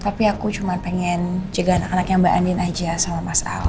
tapi aku cuma pengen jaga anak anak yang mbak andin aja sama mas al